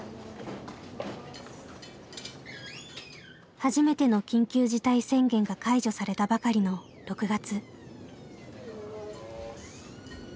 初めての緊急事態宣言が解除されたばかりの６月。